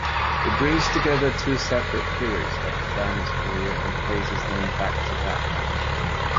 It brings together two separate periods of the band's career and places them back-to-back.